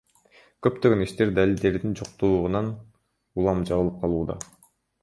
Көптөгөн иштер далилдердин жоктугунан улам жабылып калууда.